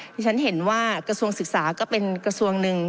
ที่ฉันเห็นว่ากระทรวงศึกษาก็เป็นกระทรวงหนึ่ง